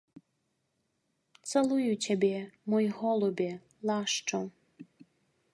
Цалую цябе, мой голубе, лашчу.